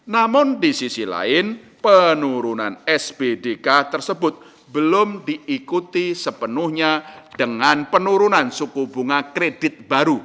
namun di sisi lain penurunan spdk tersebut belum diikuti sepenuhnya dengan penurunan suku bunga kredit baru